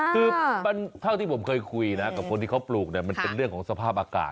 คือเท่าที่ผมเคยคุยนะกับคนที่เขาปลูกเนี่ยมันเป็นเรื่องของสภาพอากาศ